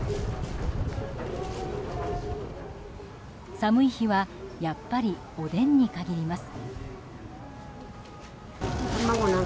寒い日はやっぱりおでんに限ります。